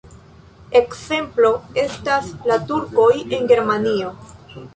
Ekzemplo estas la Turkoj en Germanio.